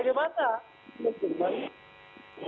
kedua duanya itu akan menunjukkan